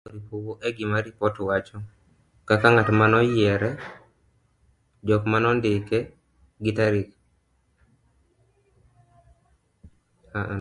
Nendi oripo wuo e gima ripot wacho ,kaka ngat manoyier, jok manondike gi tarik.